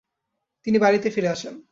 তিনি বাড়িতে ফিরে আসেন।